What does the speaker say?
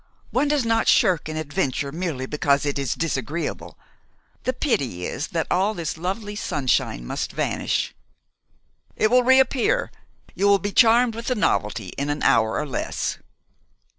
"One does not shirk an adventure merely because it is disagreeable. The pity is that all this lovely sunshine must vanish." "It will reappear. You will be charmed with the novelty in an hour or less."